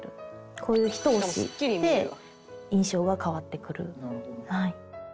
こういう一押しで印象が変わってくる。